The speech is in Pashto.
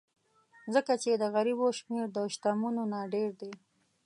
ځکه چې د غریبو شمېر د شتمنو نه ډېر دی.